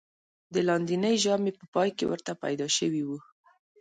د لاندېنۍ ژامې په پای کې ورته پیدا شوی و.